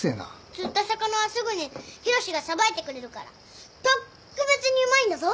釣った魚はすぐに浩志がさばいてくれるからとっくべつにうまいんだぞ。